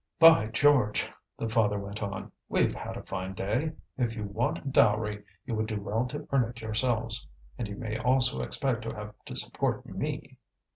"By George!" the father went on, "we've had a fine day! If you want a dowry, you would do well to earn it yourselves, and you may also expect to have to support me."